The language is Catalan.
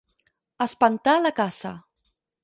Espantar la caça.